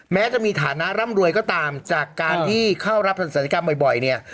แม้จะมีฐานะร่ำรวยก็ตามจากการที่เข้ารับศัลยกรรมบ่อยเนี่ย